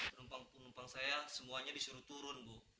tempang tempang saya semuanya disuruh turun bu